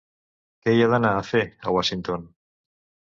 «Què hi he d'anar a fer, a Washington?».